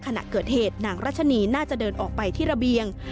ขณะเกิดเหตุนางรัชนีน่าจะเดินออกไปที่ระเบียง